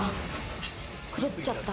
太っちゃった？